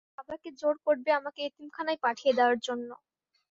বাবাকে জোর করবে আমাকে এতিমখানায় পাঠিয়ে দেয়ার জন্য।